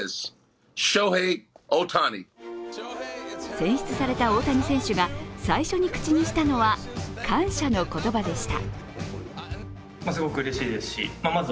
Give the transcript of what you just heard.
選出された大谷選手が最初に口にしたのは、感謝の言葉でした。